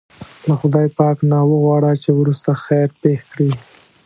له خدای پاک نه وغواړه چې وروسته خیر پېښ کړي.